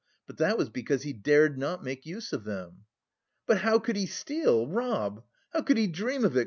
But that was because he dared not make use of them." "But how could he steal, rob? How could he dream of it?"